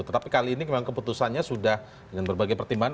tetapi kali ini memang keputusannya sudah dengan berbagai pertimbangan